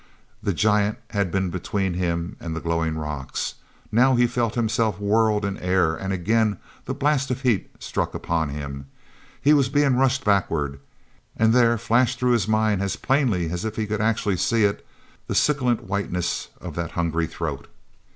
he giant had been between him and the glowing rocks. Now he felt himself whirled in air, and again the blast of heat struck upon him. He was being rushed backward; and there flashed through his mind, as plainly as if he could actually see it, the scintillant whiteness of that hungry throat.